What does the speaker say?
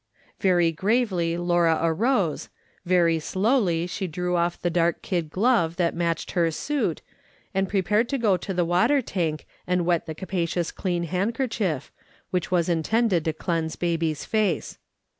Very gravely Laura arose, very slowly she drew off the dark kid glove that matched her suit, and prepared to go to the water tank and wet the capa cious clean handkerchief, which was intended to cleanse baby's face.